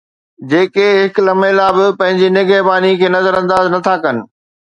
جيڪي هڪ لمحي لاءِ به پنهنجي نگهباني کي نظرانداز نٿا ڪن